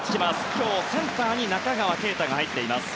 今日、センターに中川圭太が入っています。